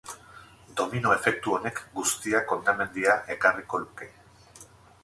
Domino efektu honek guztiak hondamendia ekarriko luke.